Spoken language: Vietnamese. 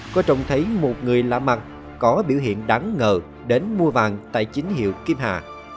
có trông thấy một người lạ mặt có biểu hiện đáng ngờ đến mua vàng tại chính hiệu kim hà